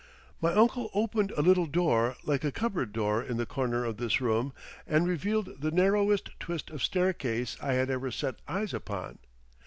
My uncle opened a little door like a cupboard door in the corner of this room, and revealed the narrowest twist of staircase I had ever set eyes upon.